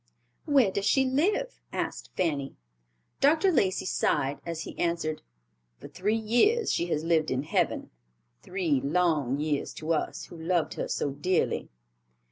"Where does she live?" asked Fanny. Dr. Lacey sighed as he answered, "For three years she has lived in heaven; three long years to us, who loved her so dearly."